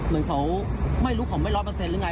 เล่นเค้าไม่รู้เขาเป็นไม่ร้อย๑๐๐หรือไง